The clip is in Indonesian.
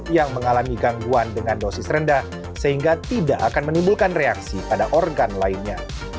yang mengalami gangguan dengan dosis rendah sehingga tidak akan menimbulkan reaksi pada organ lainnya